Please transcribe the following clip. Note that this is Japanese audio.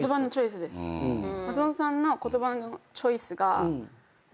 松本さんの言葉のチョイスが何かこう。